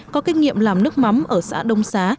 có kinh nghiệm làm nước mắm ở xã đông xá